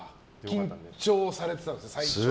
緊張されてたんですか、最初は。